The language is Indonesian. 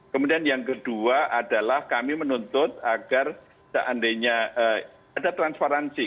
kemudian yang kedua adalah kami menuntut agar seandainya ada transparansi